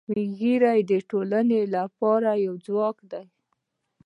سپین ږیری د ټولنې لپاره یو ځواک دي